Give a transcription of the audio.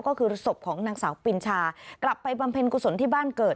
ก็คือศพของนางสาวปินชากลับไปบำเพ็ญกุศลที่บ้านเกิด